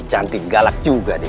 sekali lagi kami taat crimel finden